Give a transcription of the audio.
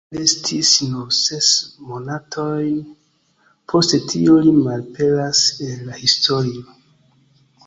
Li restis nur ses monatojn; post tio li malaperas el la historio.